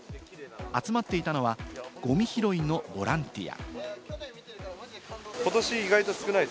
集まっていたのはゴミ拾いのボランティア。